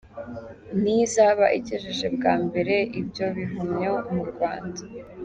Ni yo izaba igejeje bwa mbere ibyo bihumyo mu Rwanda.